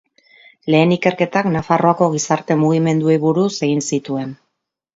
Lehen ikerketak Nafarroako gizarte mugimenduei buruz egin zituen.